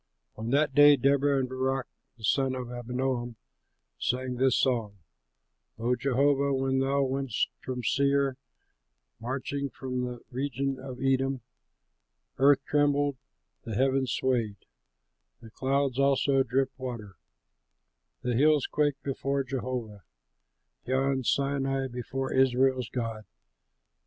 On that day Deborah and Barak, the son of Abinoam, sang this song: "O Jehovah, when thou wentest from Seir, Marching from the region of Edom, Earth trembled, the heavens swayed, The clouds also dripped water; The hills quaked before Jehovah, Yon Sinai, before Israel's God.